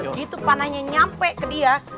begitu panahnya nyampe ke dia